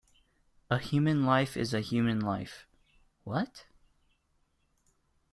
A human life is a human life, what?